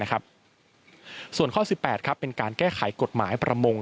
ส่วนข้อ๑๘เป็นการแก้ไขกฎหมายประมง